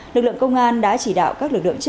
lực lượng công an đã chỉ đạo các lực lượng chạy án